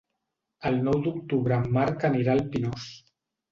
El nou d'octubre en Marc anirà al Pinós.